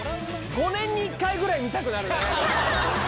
５年に１回くらい見たくなるね。